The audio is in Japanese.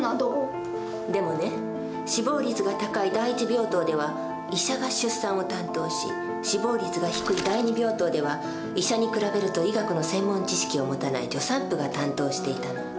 でもね死亡率が高い第一病棟では医者が出産を担当し死亡率が低い第二病棟では医者に比べると医学の専門知識を持たない助産婦が担当していたの。